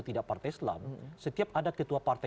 tidak partai islam setiap ada ketua partai